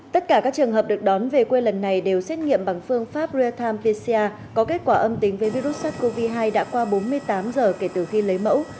tất cả các trường hợp được đón về quê lần này đều xét nghiệm bằng phương pháp real time pesia có kết quả âm tính với virus sars cov hai đã qua bốn mươi tám giờ kể từ khi lấy mẫu